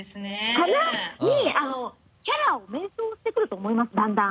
かな？にキャラを迷走してくると思いますだんだん。